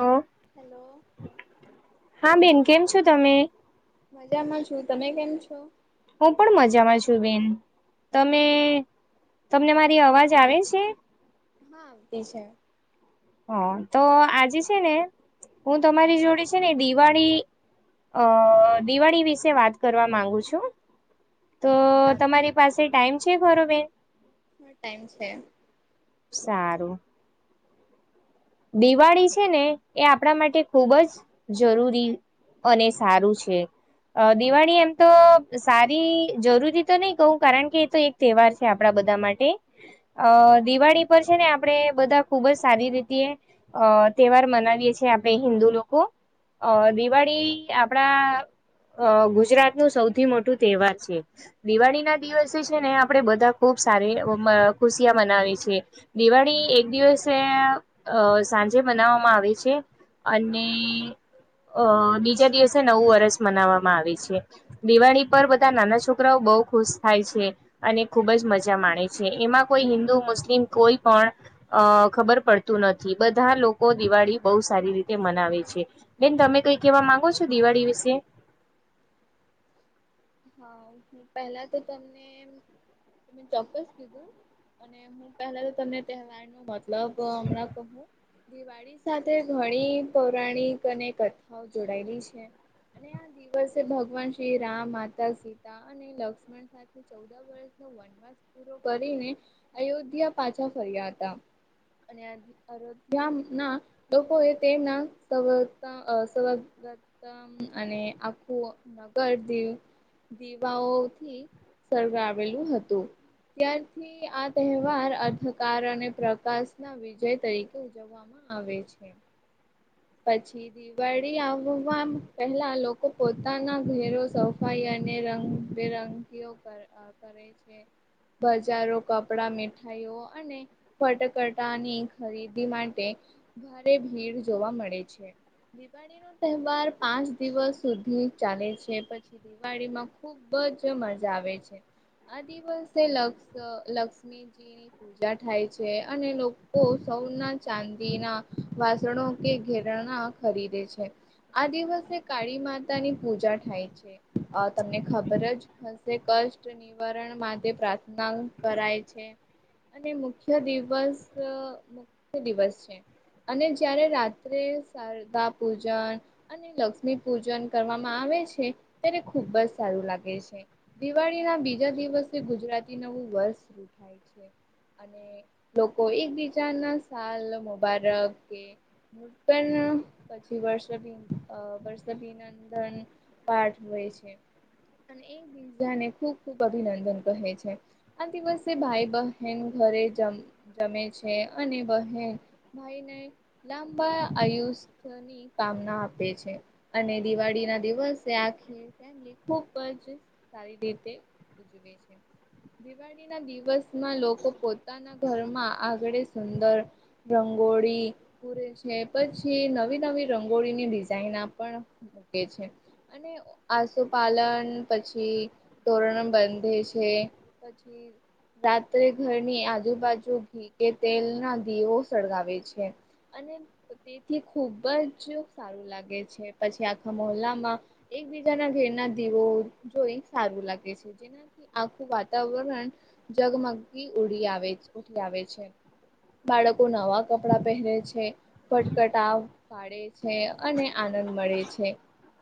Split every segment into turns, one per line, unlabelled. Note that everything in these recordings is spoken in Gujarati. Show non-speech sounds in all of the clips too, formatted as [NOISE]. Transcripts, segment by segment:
હમ [UNINTELLIGIBLE]
હેલો
હા બેન કેમ છો તમે
મજામાં છું તમે કેમ છો
હું પણ મજામાં છું બેન તમે તમને મારી અવાજ આવે છે
હા તે છે [UNINTELLIGIBLE]
હ તો આજે છે ને હું તમારી જોડે છે ને દિવાળી અ દિવાળી વિશે વાત કરવા માંગુ છું તો
સાત
તમારી પાસે ટાઈમ છે ઘરો બેન
ટાઈમ છે
સારું દિવાળી છે ને એ આપણા માટે ખુબ જ જરૂરી અને સારું છે દિવાળી એમ તો સારી જરૂરી તો નહી કહું કારણ કે એ તો એક તહેવાર છે આપડા બધા માટે અ દિવાળી પર છે ને આપડે બધા ખુબ જ સારી રીતે અ તહેવાર મનાવીએે છેીએ આપડે હિન્દુ લોકો અ દિવાળી આપડા અ ગુજરાત નું સૌથી મોટું તહેવાર છે દિવાળી ના દિવસ જે છે ને આપણેે બધા ખુબ સારી ખુશિયા મનાવી છેએ દિવાળી એક દિવસે અ સાંજે બનાવવામાં આવે છે અને અ બીજા દિવસે નવું વર્ષ મનાવવામાં આવે છે દિવાળી પર બધા નાના છોકરાઓ બઉુ ખુશ થાય છે અને ખુબ જ મજા માણે છે એમાં કોઈ હિન્દુ મુસ્લિમ કોઈ પણ અ ખબર પડતી નથી બધા લોકો દિવાળી બહુ સારી રીતે મનાવે છે બેન તમે તોઈ કેવા માંગો છો દિવાળી વિશે
હા હ પહેલા તો તમને ચોક્કસ કીધું અને હું પહેલા તો તમને તહેવાર ન મતલબ હમણાં કહું દિવાળી સાથે ઘણી પૌરાણિક અને કથાઓ જોડાયેલી છે અને આ દિવસે ભગવાન શ્રી રામ માતા સીતા અને લક્ષ્મણ સાથે ચૌદ વર્ષ વ પૂ કરીને અયોધ્યા પાછા ફર્યા હતા. અધ્યા ના લોકોએ તેમના. મ અને આખું નગર દ દીવાઓથી. સળગાવેલું હતું. ત્યારથી આ તહેવાર અંધકાર અને પ્રકાશ ના વિજય તરીકે ઉજવવા. આવે છે. પછી. દિવાળી આવવા પહેલા લોકો પોતાના ઘેરો સફાઈ અને રંગ. બેરંગીઓ કરે છે. બજારો કપડા મીઠાઈઓ અને. ફટકટાની ખરીદી માટે ભારે ભીડ જોવા મળે. હોય છે દિવાળી નો તહેવાર પાંચ દિવસ સુધી ચાલે છે પછી. દિવાળી માં ખુબ જ મજા આવે છે. આ દિવસે લક્ષ લક્ષ્મીજીની પૂજા. જા થાય છે અને લોકો સોના ચાંદી ના વાસણો કે. ઘેરણા ખરીદે છે આ દિવસે કાળી માતા ની પૂજા થાય છે. તમને ખબર જ હશે કષ્ટ નિવારણ માટે પ્રાર્થના કરાય છે. અને મુખ્ય દિવસ મુખ્ય દિવસ છે અને જયારે રાત. ત્રે શારદા પૂજન. અને લક્ષ્મી પૂજન કરવામાં આવે છે ત્યારે ખુબ જ સારુ લાગે છે. દિવાળી ના બીજા દિવસે ગુજરાતી નવું વર્ષ શરૂ થાય છે. અને લોકો એકબીજા ને સાલ મુબારક કે. હ પણ પછી વર્ષભીન વર્ષભીન નંદન પાઠ હોય છે. અને એક બીજાને ખૂબ ખૂબ અભિનંદન કહે છે. આ દિવસે ભાઈ બહેન ઘરે જ જમે છે અને બહેન. ભાઈને લંબાઆયુષની. કામના આપે છે અને દિવાળી ના દિવસે આખી. એમ ખુબ જ સારી રીતે ઉજવે છે દિવાળી. દિવાળીના દિવસમાં લોકો પોતાના ઘરમાં આગળ સુંદર. રંગોળી. પૂરે છે પછી નવી નવી રંગોળીની ડિઝાઇન આપણ મૂકે છે. આશોપાલન પછી ધોરણ બંધે છે પછી. ફિર. રાત્રે ઘરની આજુબાજુ ઘી કે તેલના દીવો સળગાવે છે. અને તેથી ખુબ જ સારું લાગે છે પછી આખા મહલ્લામાં. એકબીજાના ઘેરના દીવો જોઈ સારું લાગે છે જે. થી આખું વાતાવરણ જગમગી ઉડી આવે ઉઠી આવે છે. બાળકો નવા કપડાં પહેરે છે. ફટકટાવ પાડે છે અને આનંદ મળે છે.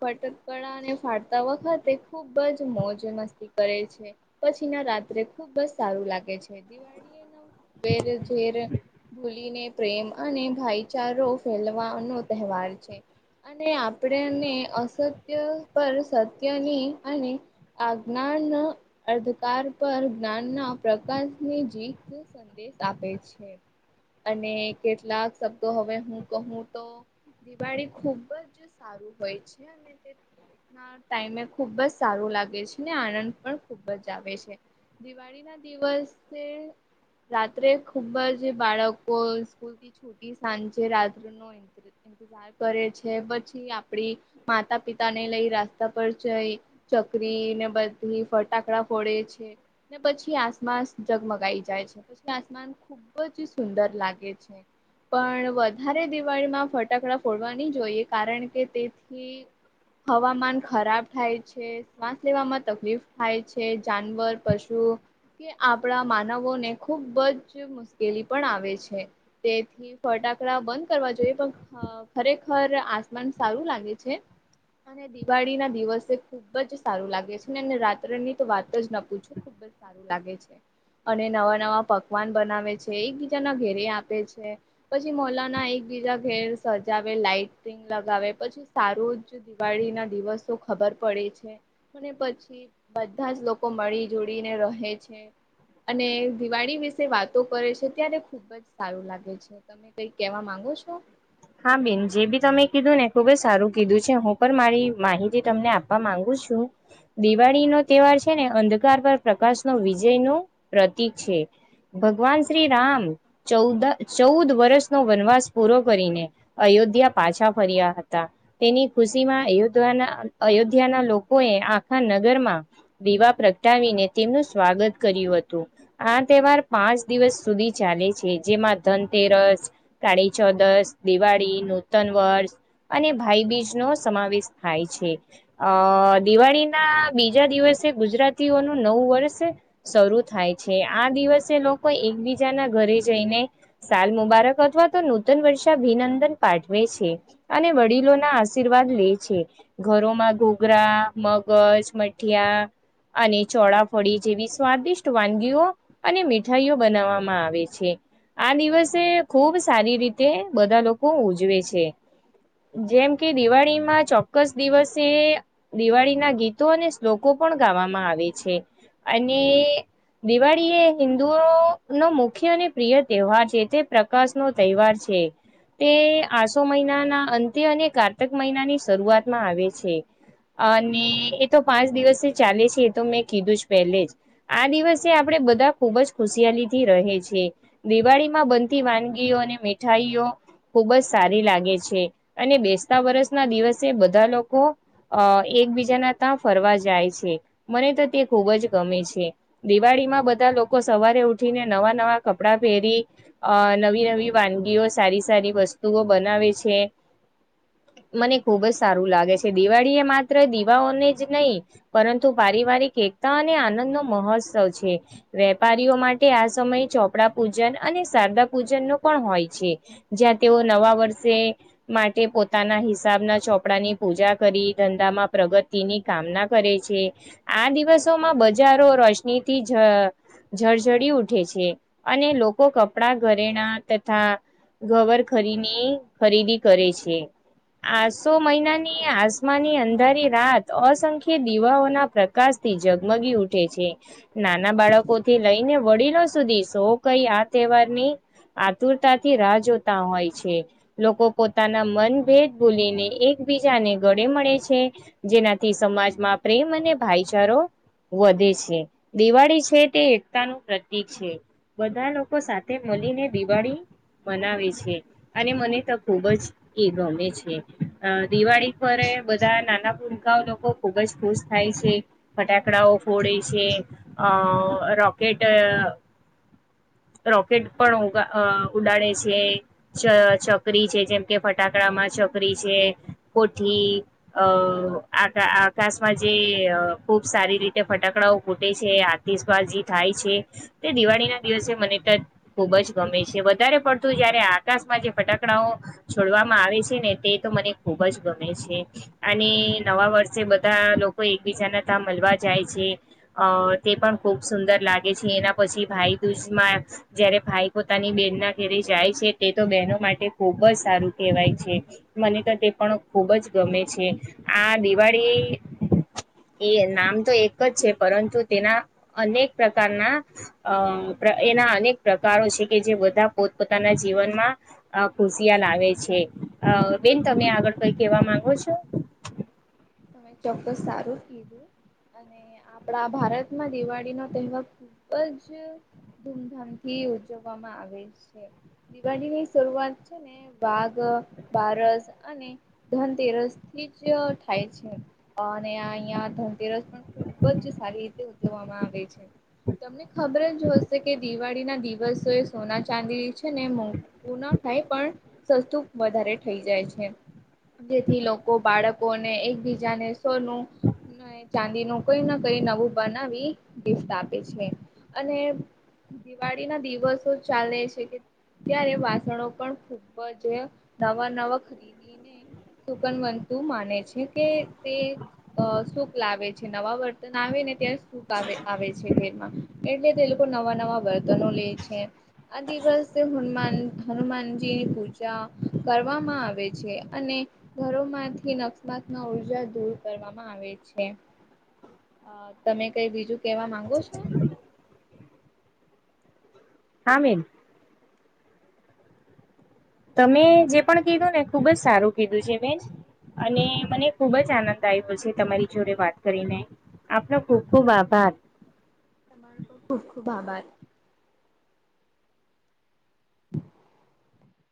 ફટકકડાને ફાટતા વખતે ખુબ જ મોજ મસ્તી કરે છે. પછી ના રાત્રે ખુબ બસ સારું લાગે છે દિવાળી. વેર ઝેર ભૂલીને પ્રેમ અને. ભાઈચારો ફેલવાનો તહેવાર છે. અને આપણેને અસત્ય પર સત્યની અને. આજ્ઞાન નું અધકાર પર જ્ઞાન ના પ્રકાશની જીત. સંદેશ આપે છે અને કેટલાક. શબ્દો હવે હું કહું તો દિવાળી ખુબ જ સારું હોય છે અને. ના ટાઈમે ખુબ જ સારું લાગે છે ને આનંદ પણ ખુબ જ આવે છે. દિવાળી ના દિવસે રાત્રે ખૂબ જ બાળકો સ્કૂલથી કયુંકી સાંજે રાત્રે નો [UNINTELLIGIBLE] ઇંતજાર કરે છે પછી આપડી માતા પિતા ને લઈ રસ્તા પર જઈ ચકરી ને બધી ફટાકડા ફોડે છે. ને પછી આસમાાસ જગમગાઈ જાય છે પછી આસમાન ખૂબ ખૂબ જ સુંદર લાગે છે. પણ વધારે દિવાળીમાં ફટાકડા ફોડવા નહી જોઈએ કારણ કે તેથી હવામાન ખરાબ થાય છે શ્વાસ લેવામાં તકલીફ થાય છે જાનવર પશુ કે આપણા માનવોને ખુબ જ મુશ્કેલી પણ આવે છે તેથી ફટાકડા બંધ કરવા જોઈએ પણ ખરેખર આસમાન સારું લાગે છે. અને દિવાળી ના દિવસે ખુબ જ સારું લાગે છે ને એને રાત્ર ની તો વાત જ પૂછો ખુબ જ સારું લાગે છે અને નવા નવા પકવાન બનાવે છે એકબીજાના ઘેરે આપે છે પછી મોલાના એકબીજા ઘેર સજાવે લાઈટિંગ લગાવે પછી સારું જ દિવાળી ના દિવસો ખબર પડે છે અને પછી બધા જ લોકો મળી જોડીને રહે છે અને દિવાળી વિશે વાતો કરે છે ત્યારે ખુબ જ સારું લાગે છે તમે કઈક કેવા માંગો છો
હા બેન જે બી તમે કીધું ને ખુબ જ સારું કીધું છે હું પણ મારી માહિતી તમને આપવા માંગુ છું? દિવાળી નો તહેવાર છે ને અંધકાર પર પ્રકાશ ન વિજય નું પ્રતીિક છે. ભગવાન શ્રી રામ ચૌદ ચૌદ વર્ષ નો વનવાસ પૂરો કરીને. અયોધ્યા પાછા ફર્યા હતા. તેની ખુશી માં અયોધ્યાના અયોધ્યાના લોકોએ આખા નગરમાં દીવા પ્રગટાવીને તેમનું સ્વાગત કર્યું હતું આ તહેવાર પાંચ દિવસ સુધી ચાલે છે જેમાં ધનતેરસ કાળી ચૌદસ દિવાળી નૂતન વર્ષ અને ભાઈબીજ નો સમાવેશ થાય છે અ દિવાળી ના બીજા દિવસે ગુજરાતીઓનું નવું વર્ષ શરૂ થાય છે આ દિવસે લોકો એકબીજાના ઘરે જઈને સાલ મુબારક અથવા તો નૂતન વર્ષ અભિનંદન પાઠવે છે અને વડીલો ના આશીર્વાદ લે છે ઘરોમાં ઘોઘરા મગજ મઠિયા અને ચોળફળી જેવી સ્વાદિષ્ટ વાનગીઓ અને મીઠાઈઓ બનાવવામાં આવે છે આ દિવસે ખુબ સારી રીતે બધા લોકો ઉજવે છે જેમ કે દિવાળીમાં ચોક્કસ દિવસે દિવાળીના ગીતો અને શ્લોકો પણ ગાવામાં આવે છે અને દિવાળી એ હિન્દુઓ નો મુખ્ય અને પ્રિય તહેવાર છે તે પ્રકાશ નો તહેવાર છે તે આસો મહિનાના અંત્ય અને કારતક મહિનાની શરૂઆતમાં આવે છે અને એ તો પાંચ દિવસ ચાલે છે એ તો મેં કીધું જ પહેલે જ આ દિવસે આપડે બધા ખુબજ ખુશિયાલી થી રહે છે દિવાળી માં બનતી વાનગીઓ અને મીઠાઈઓ ખુબ જ સારી લાગે છે અને બેસતા વરસ ના દિવસે બધા લોકો અ એકબીજાના ત્યાં ફરવા જાય છે મને તો તે ખૂબ જ ગમે છે દિવાળી માં બધા લોકો સવારે ઉઠીને નવા નવા કપડાં પહેરી અ નવી નવી વાનગીઓ સારી સારી વસ્તુઓ બનાવે છે મને ખુબ જ સારું લાગે છે દિવાળી એ માત્ર દીવાઓને જ નહી પરંતુ પારિવારિક એકતા અને આનંદ નો મહોત્સવ છે વેપારીઓ માટે આ સમય ચોપડા પૂજન અને શારદા પૂજન ન પણ હોય છે જ્યાં તેઓ નવા વર્ષે. માટે પોતાના હિસાબના ચોપડાની. પૂજા કરી ધંધામાં પ્રગતિની કામના કરે છે. આ દિવસોમાં બજારો રોશનીથી જ. જળઝડી ઉઠે છે અને લોકો કપડા ઘરેણા તથા. ગવર ખરીને ખરીદી કરે છે. આસો મહિનાની આસમાની અંધારી રાત અસંખ્ય દીવાઓના પ્ર. શ થી જગમગી ઉઠે છે નાના બાળકો થી લઈને વડીલો સુધી. તો કઈ આ તહેવાર ની આતુરતાથી રાહ જોતા હોય છે. લોકો પોતાના મન ભેદ ભૂલીને એકબીજાને ગળે મળે છે. જેનાથી સમાજમાં પ્રેમ અને ભાઈચારો. વધે છે દિવાળી છે તે એકતાનું. પ્રતીક છે બધા લોકો સાથે મળીને દિવાળી. મનાવે છે અને મને તો ખુબ જ એ ગમે છે. અ દિવાળી પર બધા નાના પૂલકા લોકો ખુબ જ ખુશ થાય છે. ફટાકડાઓ ફોડે છે અ રોકેટ. રોકેટ પણ ઉડાડે. છે છોકરી છે જેમ કે ફટાકડા માં છોકરી છે. કોઠી. અ આ આકાશમાં જે ખુબ સારી રીતે ફટાકડાઓ ફૂટે છે. શ્વાસ જે થાય છે તે દિવાળી ના દિવસે મને તો ખુબ જ ગમે છે વધારે પણ. જયારે આકાશમાં જે ફટાકડાઓ. છોડવામાં આવે છે ને તે તો મને ખુબ જ ગમે છે. અને નવા વર્ષે બધા લોકો એકબીજાના ત મળવા જાય છે. અ તે પણ ખુબ સુંદર લાગે છે એના પછી ભાઈ દૂજમાં. જયારે ભાઈ પોતાની બેનના ઘરે જાય છે તે તો બહેનો માટે ખુબ જ સારું કહેવાય છે. મને તો તે પણ ખુબ જ ગમે છે આ દિવાળી. એ નામ તો એક જ છે પરંતુ તેના અનેક પ્રકારના. અ એના અનેક પ્રકારો છે કે જે બધા પોતપોતાના જીવનમાં. અ ખુશિયા આવે છે બેન તમે આગળ કઈ કેવા માંગો છો.
તમે ચોક્કસ સારું કીધું. અને આપણા ભારતમાં દિવાળી નો તહેવાર ખુબ જ. ધૂમધામથી ઉજવવામાં આવે છે દિવાળીની શરૂઆત છે ને. વાઘ બારસ અને ધનતેરસ થી જ. ભાઈ છે અને અહિયાં ધનતેરસ પણ. ખુબ જ સારી રીતે ઉજવવામાં આવે છે. તમને ખબર જ હશે કે દિવાળી ના દિવસો એ સોના ચાંદીલી છે. ને એ ના થાય પણ. સસ્તું વધારે થઈ જાય છે જેથી લોકો બાળકો. એકબીજાને સોનું. ચાંદી ન કોઈ ના કઈ નવું બનાવી ગિફત આપે છે અને. દિવાળી ના દિવસો ચાલે છે કે. ત્યારે વાસણો પણ ખુબ જ નવા નવા ખરીદી સુકનવંતુ માને છે. જે કે તે સુખ લાવે છે નવા વર્તન આવે ને ત્યાં આવે આવે છે ઘેરમાં એટલે તે લોકો નવા નવા વર્તનો લે છે. આ દિવસે હનુમાન હનુમાનજીની પૂજા કરવામાં આવે છે અને ઘરોમાંથી નકસ્માતમાં ઉર્જા દૂર કરવામાં આવે છે. અ તમે કઈ બીજું કેવા માંગો છો.
હામીન. તમે જે પણ કીધું ને ખુબ જ સારું કીધું છે બેન અને મને ખુબ જ આનંદ આવ્યો છે તમારી જોડે વાત કરીને આપનો ખૂબ ખુબ આભાર.
તમા ખુબ ખુબ આભાર [INAUDIBLE]